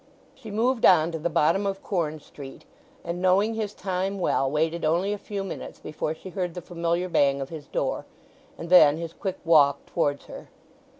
She moved on to the bottom of Corn Street, and, knowing his time well, waited only a few minutes before she heard the familiar bang of his door, and then his quick walk towards her.